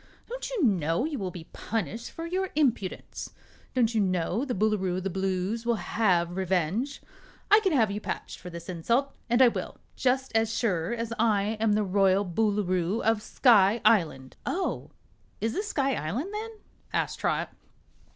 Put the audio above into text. Don't you know you will be punished for your impudence? Don't you know the Boolooroo of the Blues will have revenge? I can have you patched for this insult, and I will just as sure as I'm the Royal Boolooroo of Sky Island!" "Oh, is this Sky Island, then?" asked Trot.